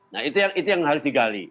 nah itu yang harus digali